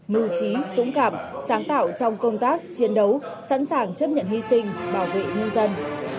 mưu trí dũng cảm sáng tạo trong công tác chiến đấu sẵn sàng chấp nhận hy sinh bảo vệ nhân dân